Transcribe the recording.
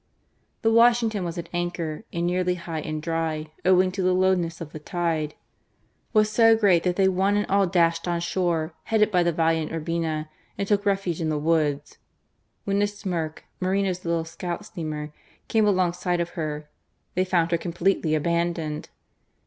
The Washingtofi was at anchor and nearly high and dry, owing to the lowness of the tide* The surprise and fear of the pirates was so greats that they one and all dashed on shore, headed by^ the valiant Urbina, and took refuge in the woods* When the Sn^rk (Moreno's little scout steamer) came alongside of her, they found her completely abandoned.